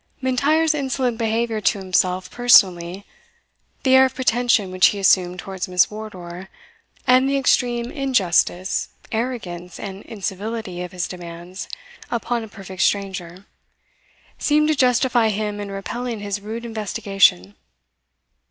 M'Intyre's insolent behaviour to himself personally, the air of pretension which he assumed towards Miss Wardour, and the extreme injustice, arrogance, and incivility of his demands upon a perfect stranger, seemed to justify him in repelling his rude investigation.